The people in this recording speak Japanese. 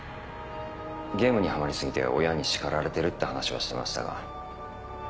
ゲームにハマり過ぎて親に叱られてるって話はしてましたが。